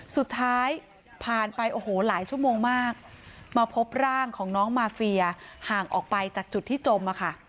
สุดท้ายผ่านไปโอ้โหหลายชั่วโมงมากมาพบร่างของน้องมาเฟียห่างออกไปจากจุดที่จม